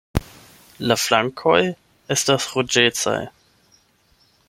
La flankoj estas ruĝecaj.